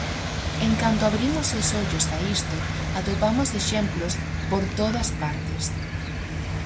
En canto abrimos os ollos a isto, atopamos exemplos por todas partes.